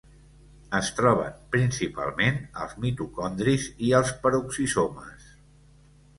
Es troben principalment als mitocondris i als peroxisomes.